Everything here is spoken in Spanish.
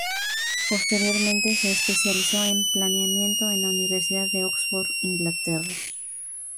Posteriormente se especializó en planeamiento en la Universidad de Oxford, Inglaterra.